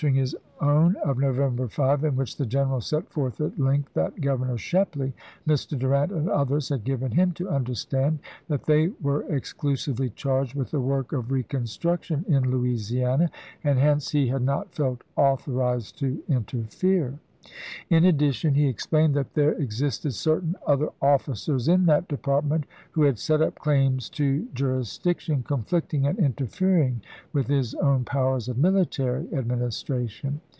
ing his own of November 5, in which the general set forth at length that Governor Shepley, Mr. Durant, and others had given him to understand that they were exclusively charged with the work of reconstruction in Louisiana, and hence he had not felt authorized to interfere. In addition he explained that there existed certain other officers in that department who had set up claims to juris diction conflicting and interfering with his own powers of military administration.